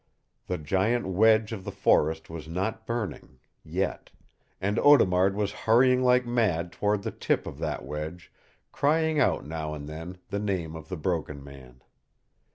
The giant wedge of the forest was not burning yet, and Audemard was hurrying like mad toward the tip of that wedge, crying out now and then the name of the Broken Man.